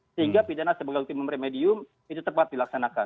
sehingga pidana sebagai ultimum remedium itu tepat dilaksanakan